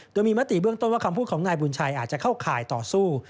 โดยมีมติเบื้องต้นว่าคำพูดของนายบุญชัยอาจจะเข้าข่ายต่อสู้